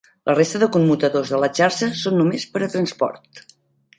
La resta de commutadors de la xarxa són només per a transport.